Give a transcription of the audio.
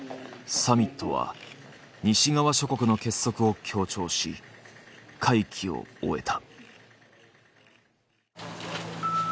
サミットは西側諸国の結束を強調し会期を終えた。